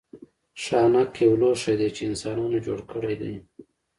ښانک یو لوښی دی چې انسانانو جوړ کړی دی